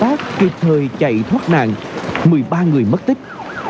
đoàn công tác kịp thời chạy thoát nạn một mươi ba người mất tích